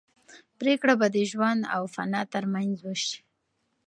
پرېکړه به د ژوند او فنا تر منځ وشي.